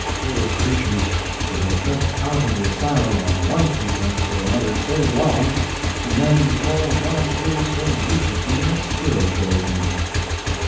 Poor creatures—to have kept out of the asylum on one pretext or another so long, and then to fall at last through so weak a thing as spiritualism."